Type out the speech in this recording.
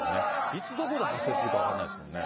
いつ、どこで発生するか分かんないですもんね。